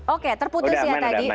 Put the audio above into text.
oke terputus ya tadi